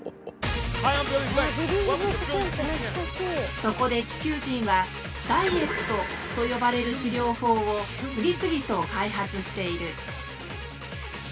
そこで地球人はダイエットと呼ばれる治療法を次々と開発している。